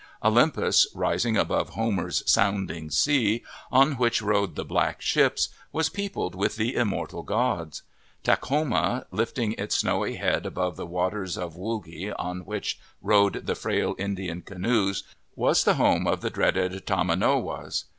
Olympus, rising above Homer's "sounding sea" on which rode the " black ships," was peopled with the immortal gods. Takhoma, lifting its snowy head above the waters of Whulge on which rode the frail Indian canoes, was the home of the dreaded tomanowos.